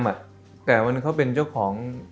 อเจมส์แต่มันเขาเป็นเจ้าของ